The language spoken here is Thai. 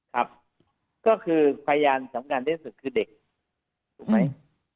ครับก็คือพยานสำคัญที่สุดคือเด็กถูกไหม